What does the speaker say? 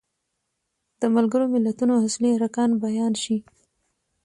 د ملګرو ملتونو اصلي ارکان بیان شي.